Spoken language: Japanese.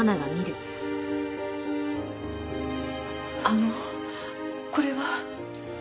あのこれは？